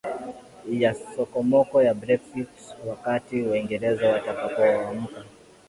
ya sokomoko la Brexit Wakati Waingereza watakapoamka